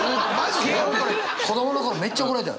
子どもの頃めっちゃ怒られた。